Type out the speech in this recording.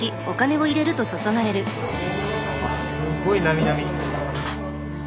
すごいなみなみ。